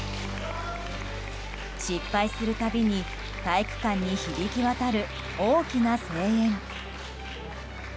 失敗する度に体育館に響き渡る大きな声援。